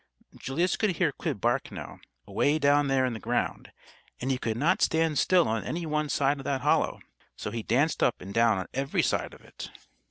Julius could hear Quib bark now, away down there in the ground, and he could not stand still on any one side of that hollow. So he danced up and down on every side of it.